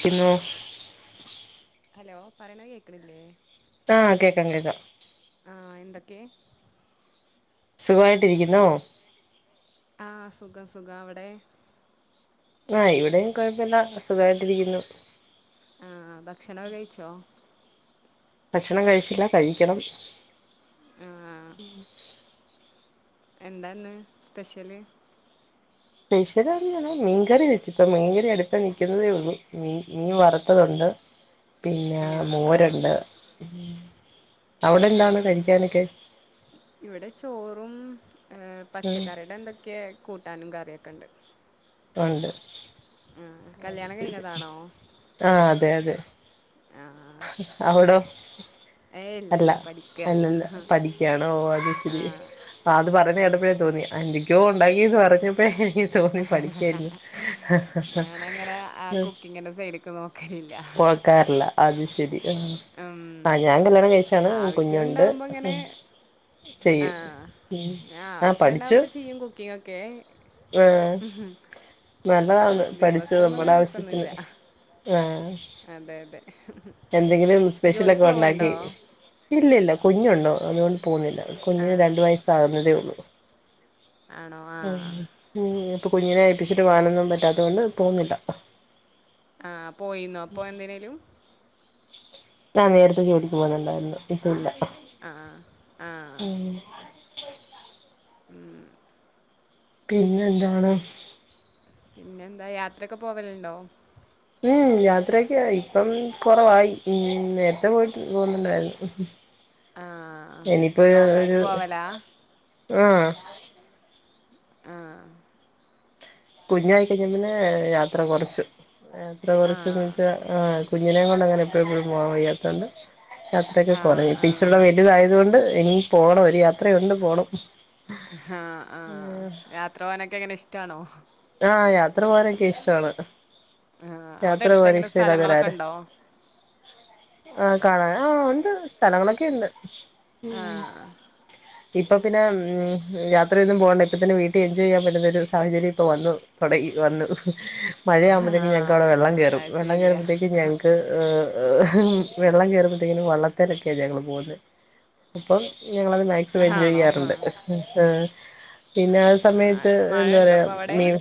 പിന്നെ ഹലോ പറയണ കേക്കണില്ലേ? ആ കേക്കാം കേക്കാം. ആ എന്തൊക്കെ? സുഖമായിട്ടിരിക്കുന്നോ? ആ സുഖം സുഖം അവിടെ? ആ ഇവിടെയും കൊഴപ്പമില്ല സുഖായിട്ടിരിക്കുന്നു. ആ ഭക്ഷണമൊക്കെ കഴിച്ചോ? ഭക്ഷണം കഴിച്ചില്ല കഴിക്കണം. ആ. എന്താന്ന് സ്പെഷ്യല്? സ്പെഷ്യല മീൻകറി വെച്ച ഇപ്പ മീൻകറി അടുപ്പേ നിൽക്കുന്നതേ ഉള്ളൂ മീ മീൻ വറുത്തതുണ്ട് [unintelligible] പിന്നെ ആ ആ മോരുണ്ട് അവിടെ എന്താണ് കഴിക്കാനൊക്കെ? ഇവിടെ ചോറും ഏ ഉം പച്ചക്കറിയുടെ എന്തൊക്കെ കൂട്ട ട്ടാനും കറിയൊക്കെ ഉണ്ട്.. ഉണ്ട് ആ, അത് കല്യാണം ശരി കഴിഞ്ഞതാണോ ആ അതെ അതെ. ആ അവിടോ? ഏ ഇല്ല അല്ല ഇല്ല പഠിക്കുക പഠിക്കയാണോ ഓ അത് ശരി. ആ ആ അത് പറഞ്ഞ് കേട്ടപ്പോഴേ തോന്നി എന്തൊക്കെയോ ഉണ്ടാക്കിന്ന് പറഞ്ഞപ്പേ ഞാനങ്ങനെ ആ കുക്കിങ്ങിന്റെ സൈഡക്ക് നോക്കലില്ല. നോക്കാറില്ല അത് ശരി. ഉം, ആഹ് ഞാൻ കല്യാണം കഴിച്ചാണ് ആവശ്യം കുഞ്ഞുണ്ട്. ഉണ്ടാവുമ്പോൾ ഇങ്ങനെ ആ ചെയ്യും ഞാൻ ആ പഠിച്ചു ആവശ്യണ്ടാവുമ്പോ ചെയ്യും കുക്കിംഗ് ഒക്കെ ആ നല്ലതാണ് പഠിച്ചു ദിവസമൊന്നും നമ്മുടെ അങ്ങനെ ആവശ്യത്തിന് വെക്കൊന്നുമില്ല ആ അതെ അതെ എന്തെങ്കിലും സ്പെഷ്യലൊക്കെ ജോലിക്ക് പോവുണ്ടോ ഉണ്ടാക്കി ഇല്ല ഇല്ല കുഞ്ഞുണ്ട് അതുകൊണ്ട് പോകുന്നില്ല ആ കുഞ്ഞിന് രണ്ട് വയസ്സാകുന്നതേ ഉള്ളൂ. ആണോ ആ ഉം ഇപ്പൊ കുഞ്ഞിനെ ഏൽപ്പിച്ചിട്ട് പോവാനൊന്നും പറ്റാത്തോണ്ട് പോവുന്നില്ല ആ പോയിന്ന അപ്പൊ എന്തിനേലും? നേരത്തെ ജോലിക്ക് പോകുന്നുണ്ടായിരുന്നു ഇപ്പ ഇല്ല. ആ ആ. ഉം. പിന്നെ എന്താണ്? പിന്നെ എന്താ യാത്രൊക്കെ പോവലുണ്ടോ? ഉം യാത്രയക്കെ ഇപ്പം കുറവായി ഉം നേരത്തെ പോയിട്ട് പോവുന്നുണ്ടായിരുന്നു. ആ ലോങ് ആയിട്ട് പോവലാ? ആ. ആ. കുഞ്ഞായിക്കഴിഞ്ഞ പിന്നെ യാത്ര കുറച്ചു യാത്ര ആ കുറച്ചന്ന് വെച്ചാ കുഞ്ഞിനെ കൊണ്ട് അങ്ങനെ എപ്പോഴെപ്പോഴും പോകാൻ വയ്യാതോണ്ട്. ആ [unintelligible] കുറ ഇപ്പ ആ ഇച്ചടെ വലുതായതുക കൊണ്ട് ഇ പോണം ഒരു യാത്രയുണ്ട് പോണം ആ ആ യാത്ര പോവാനൊക്കെ എങ്ങനെ ഇഷ്ടാണോ ആ യാത്ര പോകാനൊക്കെ ഇഷ്ടമാണ് ആ അവിടെ അടുത്ത് എങ്ങനെ സ്ഥലങ്ങളൊക്കെ ഉണ്ടോ ആ കാണാൻ ആ ഉണ്ട് സ്ഥലങ്ങളൊക്കെ ഉണ്ട് ആ ഇപ്പ പിന്നെ യാത്രയൊന്നും പോകണ്ട ഇപ്പം തന്നെ വീട്ടിൽ എൻജോയ് ചെയ്യാൻ പറ്റുന്നൊ ഒരു സാഹചര്യം ഇപ്പ വന്ന് തുടങ്ങി വന്ന് ആ മഴയാകുമ്പോഴത്തേക്കും ഞങ്ങക്ക്വിടെ വെള്ളം കയറ അത് ശരിയാ വെള്ളംയറുമ്പോഴേക്ക്ഞങ്ങൾക്ക് വെള്ളം കയറുമ്പഴത്തേക്കും വള്ളത്തിലനൊക്കെയാണ് ഞങ്ങൾ പോകുന്നത് അപ്പം ഞങ്ങളത് മാക്സിമം എൻജോയ് ആണോ ആ ചെയ്യാറുണ്ട് പിന്നെ ആ സമയത്ത് മഴ എന്താ ഉണ്ടോ പറയാ ഇപ്പോൾ അവിടെ മീൻ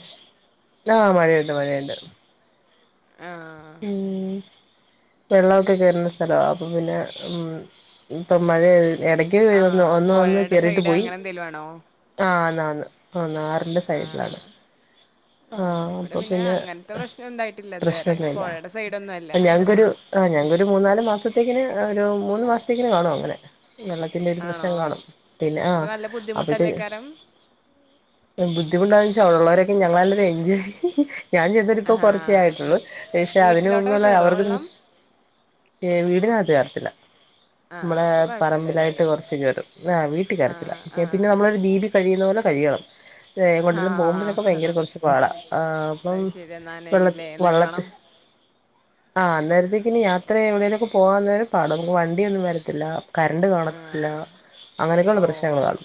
ആ മഴയുണ്ട് മഴയുണ്ട് ആ ഉം വെള്ളമൊക്കെ കേറുന്ന സ്ഥലവാ അപ്പൊ പിന്നെ ഉ ഇപ്പൊ മഴ ഇടക്ക് ആഹ് ഒന്ന് ഒന്ന് പൊഴയുടെ കേറിട്ട് സൈഡ് പോയി അങ്ങനെ എന്തേലും ആണോ? ആന്നന്ന് ആ നാറിൻ്റെ സൈഡിലാണ് ആ ആഹ് ഇവിടെ അപ്പൊ പിന്നെ അങ്ങനത്തെ പ്രശ്നം എന്തായിട്ടില്ല ഇതുവരെ പ്രശ്നൊന്നുല്ല പുഴയുടെ സൈഡ ഒന്നു അല്ല ഞങ്ങക്കൊരു ആഹ് ഞങ്ങക്കൊരു മൂന്ന നാല് മാസത്തേക്കി ഒരു മൂന്ന് മാസത്തേക്കിന് കാണോ അങ്ങനെ വെള്ളത്തിന്റെ ഒരു ആണോ? പ്രശ്നം കാണും പിന്നെ ആ അപ്പൊ നല്ല അപ്പൊ ഇത് ബുദ്ധിമുട്ടല്ലേക്കാരം? ബുദ്ധിമുട്ടാന്ന് വെച്ചാ അവിടുള്ളവരൊക്കെ ഞങ്ങല്ല എൻജോയ് ഞാൻ ചെന്നട്ട ഇപ്പൊ ആഹാ കൊറച്ചേ ആയിട്ടുള്ളു പക്ഷെ അതിന് വീട്ടിലോട്ടൊക്കെ മുമ്പുള്ള കേറോ അവർക്ക് വെള്ളം? ഏ വീടിനകത്ത് കേറത്തില്ല ആഹ് നമ്മളെ അപ്പൊ കൊഴപ്പല്ലല്ലോ പറമ്പിലായിട്ട് അല്ലേ? കുറച്ച കേറും ആ് വീട്ട ആഹ് കരത്തില്ല പിന്നെ ആഹ് നമ്മള ഒരുരു ദീപി കഴിയുന്ന പോലെ കഴണം കൊിലും പോകുമ്പോൊക്കെ ഭയങ്കര ആഹ് [unintelligible] ആ അപ്പം അത് ശരിയാ വെള്ള നനയൂലേ വെള്ളത്തി നല്ലോണം? ആ അന്നേരത്തേക്ക് ഇനി യാത്ര എവിടെേലൊക്കെ പോകുന്നും പാട നമുക്ക് വണ്ടിയൊന്നും വരത്തി ല്ല കരണ്ട് കാണത്തില്ല ആഹ് അങ്ങനെയൊക്കെയുള്ള ദൃശ്യങ്ങൾ ഓഹ് കാണു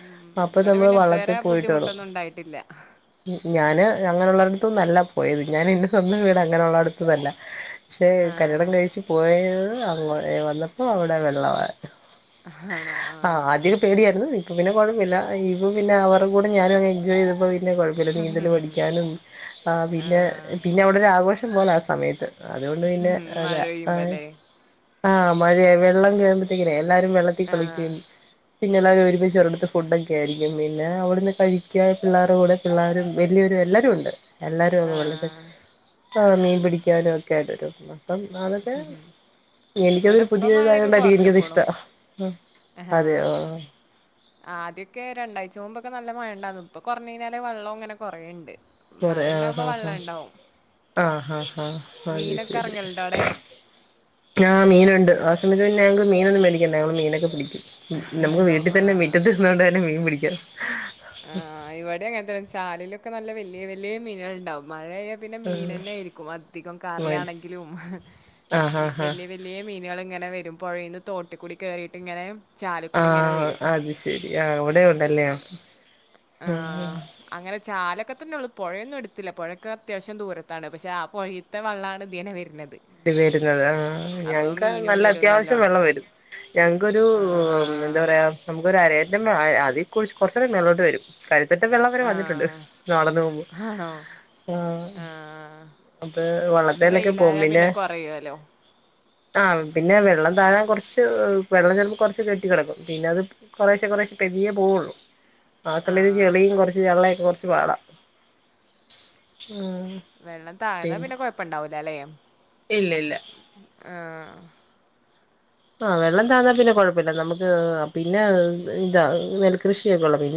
ഉം അപ്പൊ ഇവിടെ നമ്മൾ പിന്നെ വള്ളത്തിൽ ഇതുവരെ പോയിട്ട ബുദ്ധിമുട്ടൊന്നും ഉണ്ടായിട്ടില്ല. [unintelligible] ഞാന് അങ്ങനെയുള്ളടുത്തൊന്നല്ല പോയത് ഞാൻ ഇെ ഒന്നും വീട് അങ്ങനെയുള്ളള്ളടുത്തന്നല്ല പക്ഷേ കല്ലടം ആഹ് കഴിച്ചച്ച് പോയത് അങ്ങ വന്നപ്പോൾ അവിടെ വെള്ളമാണ് ആണോ ആ അപ്പ പിന്നെ കുഴപ്പില്ല ഇപ്പ പിന്ന അവർടെൂ ഞാനും എൻജോയ് ചെയ്തപ്പോ പിന്നെ കുഴപ്പില്ല നീന്തൽ പഠിക്കാനും പിന്നെ ആഹ് പിന്നെ അവിടെ ഒരു ആഘോഷം പോലെ ആ സമയത്ത് അതുകൊണ്ട് പിന്നെ ഉം മഴ അതാ ആ പെയ്യുമ്പല്ലേ ആ മഴയ വെള്ളം കഴയുമ്പോത്തേക്കനേ എല്ലാരും വെള്ളത്തിൽ ആഹ് കുളിക്കും പിന്നെ എല്ലാവരും ഒരുപക്ഷ ച അവരു അടുത്ത് ഫുഡ ഒക്കെ ആയിരിക്ക പിന്നെ അവിടുന്ന് കഴിക്കുകൻ പിള്ളേരുടെ കൂടെ ള്ളരും വലിയ എല്ലാരും ഉണ്ട് എല്ലാരും അ വള്ളത് ആഹ് ആ മീൻ പിടിക്കാനും ഒക്കെ ആയിട്ട് ഇവിടെ എനിക്കതൊരു ഇപ്പ പുതിയ ഇതായ മഴയൊക്കെ കൊണ്ടായിരിക്കും എനിക്കത് കുറഞ്ഞുക്കുണു ഇഷ്ട അതെയ ആ ആദ്യൊക്കെ രണ്ടാഴ്ച മുമ്പൊക്കെ നല്ല മഴണ്ടന്ന് ഇപ്പൊ കൊറഞ്ഞ കഴിഞ്ഞാല് വെള്ളം അങ്ങനെ കുറേുണ്ട് മഴ ഉണ്ടാാവുമ്പോ വെള്ള ണ്ടാവും ആ ആ ആ അ ശരി ഇറങ്ങലുണ്ടോ അവിടെ ആ മീനുണ്ട് ആ സമയത്ത്ന്നെ ഞങ്ങക്ക് മീനൊന്നും മേടിക്ക ഞ മീനൊക്കെ പിടിക്കും നമുക്ക് ആണോ വീട്ടിൽ തന്നെ മീറ്റത്തിന്നുന്ന കൊണ്ട് തെ മീൻ പിടിക്കാം ആ ഇവിടെ അങ്ങനെത്തെ ചാലയിലൊക്കെ നല്ല വലിയ വല്ിയ മീനുക ണ്ടാവും മഴഞ്ഞാ പിന്നെ മീൻ ന്നെ ആയിരിക്കും അധികം ആഹ് കറിയാണെങ്കിലും ആഹ് ആഹ് ആഹ് വലിയ വലിയ മീനുകൾ ഇങ്ങനെ വരും പുഴന്ന് തോട്ടിക്കൂടി കയറിയിട്ട് ഇങ്ങനെ ചാലിൽ ആ കൂടി ഇങ്ങനെ വരും അത് ശെരി ആ അവിടെ ഉണ്ടല്ലേോ ആ അങ്ങനെ ചാലൊക്കെ തന്നെ ഉള്ള പുഴയൊന്നും എടുത്തില്ല പുഴക്ക അത്യാവശ്യം ദൂരത്താണ് പക്ഷെ ആ പുഴയിലത്തെ വെള്ളാണ് ഇ ദീനെ വരുന്നത് ത് വരുന്നത് ആഹാ അപ്പൊ ഞങ്ങക്ക് മീനും നല്ല വരും അത്യാവശ്യം നല്ലോണം വെള്ളം വരും ഞങ്ങക്കൊരു ആണോ മ്മ് എന്താ ആഹ് പറയാ നമുക്കൊരുരരാ [unintelligible] കൊറീച് കൊറേച് മേലോട്ട് വരും [unintelligible] വിടത്തെ വെള്ളം വരെ വന്നിട്ടുണ്ട് ആഹ് നടന്ന് പോവുമ്പോ ആണോ ആഹ് ആഹ് അപ്പൊ വള്ളത്തേലൊക്കെ പോകും പിന്നെ പറയോലോ ആഹ് പിന്നെ വെള്ളം താവാൻ കൊറച്ച് വെള്ളം ചെലപ്പോ കൊറച്ച് കെട്ടി കെ ടക്കും പിന്നെ അത് കൊറേശെ [unintelligible] ബോൾ ആസമയത്ത് ച്ചിരി ആഹ് ചെളീം കൊറച്ച് ചെള്ളയൊക്കെ കൊറച്ച് പാടാ ഉം വെള്ളം താഴ്ന്നാ പിന്നെ കൊഴപ്പണ്ടാവില്ലല്ലേ ഇല്ല ഇല്ല ആഹ് വെള്ളം താന്നാ പിന്നെ കൊഴപ്പി ല്ല നമുക്ക് പിന്നെ ഇതാ നെൽകൃഷിയൊകൊള്ളപ്പോ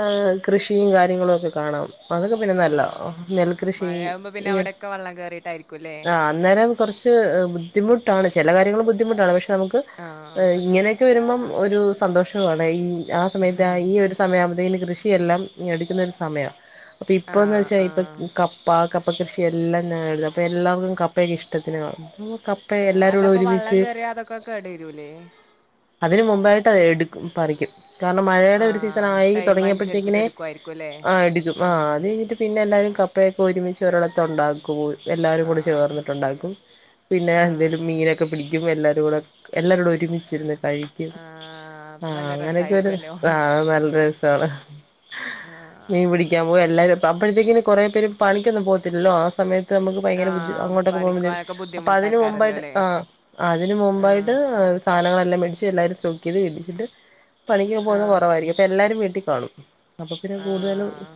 ആ കൃഷിയും കാര്യങ്ങളൊക്കെ കാണോ അതൊക്കെ പിന്നെ നല്ലതാ ആഹ് നെൽകൃഷി, മഴയാവുമ്പോ പിന്നെ അവിടെയൊക്കെ വെള്ളം കേറിയിട്ടായിരിക്കുംല്ലേ ആഹ് അന്നേരം കൊറച്ച് ബുദ്ധിമുട്ടാണ് ചെല കാര്യങ്ങൾ ബുദ്ധിമുട്ടാണ് പക്ഷെ നമുക്ക് ആഹ് ഇങ്ങനെയൊക്കെ വരുമ്പം ഒരു സന്തോഷവുമാണ് ഈ ആ സമയത്ത് ആ ഈ ഒരു സമയമാവുതെന് കൃഷിയെല്ലാം എടുക്കുന്നൊരു സമയാണ്. ആഹ് ഇപ്പോന്നവച്ചയിഞ്ഞാൽ ഇപ്പൊ ആഹ് കപ്പ, ക കപ്പ കൃഷിയെല്ലാം [unintelligible] അപ്പോ എല്ലാം കപ്പയൊക്കെ ഇഷ്ടത്തിന് വാങ്ങും കപ്പയെല്ലാവരുടെ ഒരുമിച്ച് ക്കെകേടാരൂലേ അതിന് മുമ്പായിട്ട് അത് എടു പറിക്കും കാരണം മഴയുടെ ഒരു സീസൺ ആഹ്. ആയി ടൈം അനുസരിച്ചിട്ട് തുടങ്ങിയപ്പോഴത്തേക്കിന് എടുക്കുവായിരിക്കും അല്ലേ? ആ എടുക്കും ആ ആഹ് അത് കഴിഞ്ഞിട്ട് പിന്നെ എല്ലാരും കപ്പയൊക്കെ ഒരുമിച്ച് ഒരിടത് ഉണ്ടാക്കൂ എല്ലാരും കൂടെ ആഹ് ചേർന്നിട്ടുണ്ടാക്കും പിന്നെ ആഹ് എന്തേലും മീനൊക്കെ പിടിക്കും എല്ലാ എല്ലാവരോടെ ഒരുമിച്ചിരുന്ന് കഴിക്കും ആഹ് അപ്പൊ ആഹ് നല്ല അങ്ങനെയൊക്കെ ഒരു രസായിരിക്കുവല്ലോ. ആഹ് നല്ല രസാണ് മീൻ പിടിക്കാൻ പോവാ എല്ലാരും അപ്പോഴത്തേക്കിന് കുറെ പേര് പണിക്കൊന്നും പോകത്തിലല്ലോ ആ സമയത്ത് നമുക്ക് ഭയങ്കര ബുദ്ധി ആഹ് അങ്ങോട്ടൊക്കെ പോകുമ്പെതിന് പണിക്കോവാനൊക്കെ അതിന് ബുദ്ധിമുട്ടാക്കാരല്ലോ മുമ്പായിട്ട് അല്ലേ? ആ ആ ആഹ് മുമ്പായിട്ട് സാധനങ്ങളെല്ലാം മേടിച്ച് എല്ലാരും സറ്റോക്കെയ്ത് ഇടിതിട്ട് പണിക്കൊക്കെ പോകുന്ന ആഹ് കുറവായിരിക്കും അപ്പൊ എല്ലാരും വീട്ടിൽ കാണും അപ്പൊ പിന്നെ കൂടുതലും ആഹ്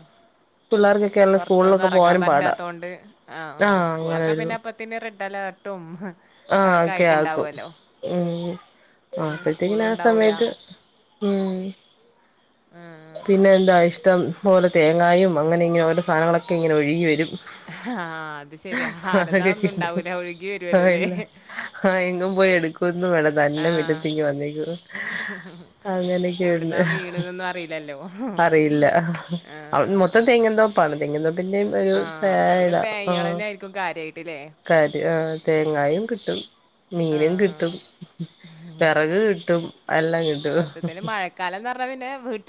പിള്ളേർക്കൊക്കെയാണല്ലോ പൊറത്തൊന്നും സ്കൂളിലൊക്കെ പോകാനും എറങ്ങാൻപറ്റാ പാടാ ത്തോണ്ട് ആ ആഹ് അങ്ങനെ സ്കൂളൊക്കെ പിന്നെ അപ്പത്തിന് ട്ടലട്ടും ആ ഓക്കെ ആക്കും ഉം ആ പിന്നെ അപ്പഴത്തേക്കിന് സ്കൂളും ആ ഉണ്ടാവൂല. സമയത്ത് ഉം ആഹ് പിന്നെ എന്താ ഇഷ്ടം പോലെ തേങ്ങായും അങ്ങനെ ഇങ്ങനെ ഓരോ സാധനങ്ങളൊക്കെ ഇങ്ങനെ ഒഴുകി വരും ആഹ് അത് ശരിയാ ആരതാ ഒന്നും ഉണ്ടാവൂല ഒഴുകി വരുവല്ലോല്ലേ? [unintelligible] പോയി എടുക്കൊന്നും വേണ്ട തന്നെ ആഹ് മിറ്റത്തിങ്ങനെവന്നിക്കും അങ്ങനൊക്കെയുണ്ട് എവിടുന്നാ വീണ്ന്നൊന്നും അറിയില്ലല്ലോ. അറിയില്ല ആ. മൊത്തം തെങ്ങിൻതോ പ്പാണ് തെങ്ങിൻതോ പിന്നേം ഒരു ആ, അപ്പൊ പിന്നെ തേങ്ങകൾ തന്നെ ആയിരിക്കും കാര്യമായിട്ടില്ലേ [unintelligible] ആ തെങ്ങായും കിട്ടും ആ മീനും കിട്ടും വെറക് കിട്ടും അല്ലാംക്കിട്ടും [unintelligible] വീട്ട്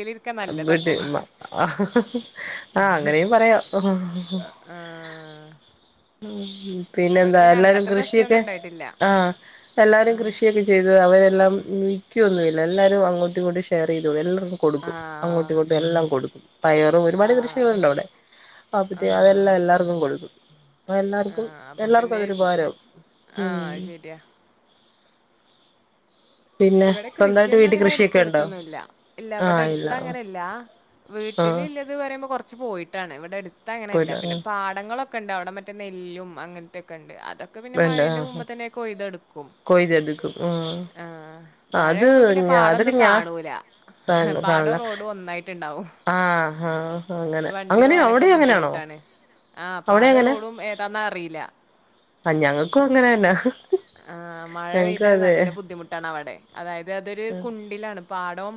ആഹ് അങ്ങനെയും പറയാം ആ, ആ. ഇവിടെ പിന്നെന്താ പിന്നെ എല്ലാരും അങ്ങനത്തെ കൃഷിയൊക്കെ പ്രശ്നമൊന്നും ഉണ്ടായിട്ടില്ല ആഹ് എല്ലാരും കൃഷിയൊക്കെ ചെയ്ത അവരെല്ലാം ക്യൊന്നുല്ല എല്ലാരും അങ്ങട്ടും ഇങ്ങോട്ടും ഷെയർ ചെയ്തോളും എല്ലാരും ആ കൊടുക്കും അങ്ങോട്ടിങ്ങട്ടും എല്ലാം കൊടുക്കും പയറും ആ ഒരുപാട് കൃഷികളുണ്ട് അവിടെ ആ അപ്പറ്റേ അതെല്ലാം എല്ലാർക്കും കൊടുക്കും അപ്പൊ ആ എല്ലാർക്കും അപ്പൊ എല്ലാർക്കും പിന്നെ അതൊരു ഉപകാരാവും ആ ഉം അയ്ശരിയാ പിന്നെ ഇവിടെ സ്വന്തായിട്ട് കൃഷിയൊന്നും വീട്ടിൽ അങ്ങനെ കൃഷിയൊക്കെ ഉണ്ടോ എടുത്തടുത്തൊന്നില്ല ഇല്ല ഇവിടെ ആഹ് ഇല്ല അടുത്ത് അങ്ങനല്ല ആഹ് വീട്ടിലുള്ളത് പറയുമ്പോ കൊറച്ച് പോയിട്ടാണ് ഇവിടെ എടുത്ത് അങ്ങനെല്ല പോയില്ല പിന്നെ ആഹ് പാടങ്ങളൊക്കെ ക്കണ്ട് അവിടെ മറ്റേ നെല്ലും അങ്ങനത്തെെയൊക്കെണ്ട് ഇതൊക്കെ പിന്നെ വേണ്ട മഴന്റെ ആഹ് മുമ്പ് തന്നെ കൊയ്തെടുക്കും കൊയ്തെടുക്കും ആഹ് ആ അത് മഴകുമ്പ് പിന്നെ ഞാ അതൊക്കെ പാടൊന്നും ഞാൻ കാണൂല കാണ പാടം കാണില്ല റോഡും ഒന്നായിട്ടുണ്ടാവും ആഹ് ആഹ് അങ്ങനെ വണ്ടി അങ്ങനെയ പോകാനൊക്കെ അവിടെയും അങ്ങനെയാണോ ബുദ്ധിമുട്ടാണ് ആ അവിടെ പാട അങ്ങനെ റോഡും ഏതാന്നാ അറിയില്ല ആ ഞങ്ങക്കും അങ്ങനെന്നാ ആ, മഴ ഞങ്ങക്ക് പെയ്താൽ അതെ നല്ല ബുദ്ധിമുട്ടാണ് അവിടെ അതായത് അതൊരു കുണ്ടിലാണ് പാടം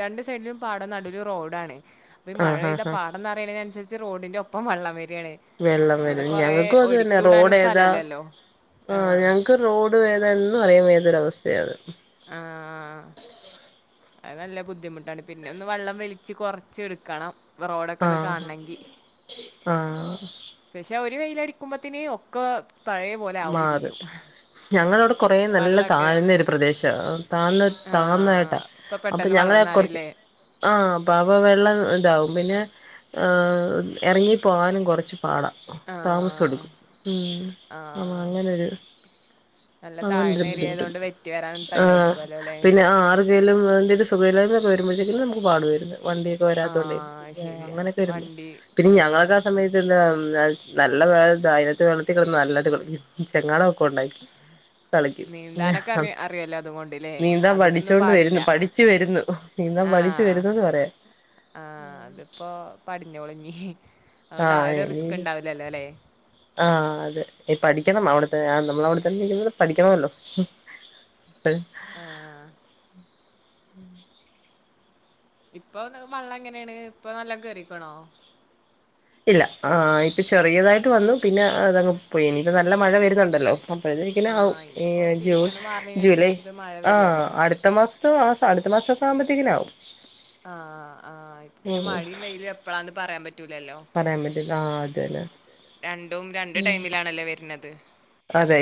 രണ്ട് സൈഡിലും പാടം നടു ഒരു റോഡാണ് അപ്പ മഴ ആഹ് പെയ്ാ ആഹ് ആഹ് പാടന്ന് അറിയതിനനുസരിച്ച്റോഡിന്റെ ഒപ്പം വെള്ളം വരും വെള്ളം ഇന്നടെ വരും കൊറെ ഞങ്ങൾക്കും ഒഴുക്കി വിൂടാന സ്ഥലല്ലല്ലോ ആ ഞങ്ങക്ക് റോഡ് വേദനും അറിയൻ വ േതൊരവസ്ഥയാത് ആ അത് നല്ല ബുദ്ധിമുട്ടാണ് പിന്നെ ഒന്ന് വെള്ളം വെലിച്ച് കൊറച്ച് എടുക്കണം റോഡൊക്കെ ഒന്ന് ആഹ് കാണണെങ്കി ആഹ് പക്ഷെ ഒരു വെയില അടിക്കുമ്പത്തനേ ഒക്കെ പഴയ പോലെ ആും മാറി ചെയ്യും ഞങ്ങളവിടെ കുറെേ നല്ല വെള്ളമൊക്കെ താഴ്ന്നൊരു പ്രദേശമാണ് താഴ്ന്ന താഴന്നതായിട്ടാ അപ്പൊ ഞങ്ങ ന്ന് അറിയില്ലേ ആ അപ്പാ അപ്പ വെള്ളം ഇതാവും പിന്നെ ഇറങ്ങിപ്പോകാനും കുറച്ച് പാട ആഹ് താമസെടുക്കും ഉം നമ്മൾ ആഹ് അങ്ങനെരു നല്ല അങ്ങനൊരു താഴ്ന്ന ബുദ്ധിമുട്ട്ണ്ട് ഏരിയായതുകൊണ്ട് വെറ്റി വരാൻ ആ ടൈം എടുക്കുവല്ലോ അല്ലേ പിന്നെ ആറുകേലും എന്തും സുഖലൊക്കെ വരുമ്പോഴത്തേക്ക നമുക്ക് പാടു വരുന്നു വണ്ടിയൊക്കെ വരാത്തോണ്ടേ ആഹ് പിന്നെ ശരിയാ അങ്ങനെയൊക്കെ വരുമ്പോ വണ്ടി പിന്നെ ഞങ്ങളൊക്കെ ആഹ് ആ സമയത്ത് എന്താ നല്ല വെ ധൈര്യത്തിൽ വെള്ളത്തീ കടന്ന് നല്ലട്ട് കളിക്കും ചങ്ങാടം ഒക്കെ ഉണ്ടായിനി കളിക്കും നീന്താനൊക്കെ അറി അറിയല്ലോ അതുകൊണ്ട്ല്ലേ നീന്താൻ അതിനൊന്നും പഠിച്ചോണ്ട് പാടില്ല വരുന്നു പഠിച്ചു വരുന്നു നീന്താൻ പഠിച്ചു വരുന്നത് പറയാ ആ അതിപ്പോ പടിഞ്ഞോളും ഞ്ഞ് ആ ഇനി അല്ലേ ആ അതെ പഠിക്കണം അവിടെ [unintelligible] നമ്മള് അവിടെത്തന്നെ നിക്ക്ന്ന പഠിക്കണമല്ലോ ആ [unintelligible] ഇപ്പൊ മള്ള എങ്ങനെയാണ് ഇപ്പൊ നല്ല കേറിക്കണോ ഇല്ല ആ ഇപ്പൊ ചെറിയതായിട്ട് വന്നു പിന്നെതങ് പോയി ഇനിപ്പ നല്ല മഴ വരുന്നുണ്ടല്ലോ അപ്പോഴത്തേക്കിനാവും ആഹ് ഇനിയിപ്പോ ജൂൺ സീസൺ ജൂലൈ മാറുന്നതിനനുസരിച്ചിട്ട് മഴ ആ വരുവല്ലോ അടുത്ത മാസത്തോ ആ അടുത്ത മാസൊക്കെ ആകുമ്പോത്തേക്കന് ആവും ആ ആ പിന്നെ ഉം മഴയും വെയിലും എപ്പഴാന്ന് പറയാൻ പറ്റു പറയാൻ പറ്റില്ല ആ അതന്നെ രണ്ടും രണ്ടു ടൈമിലാണല്ലേ വരുന്നത് അതെ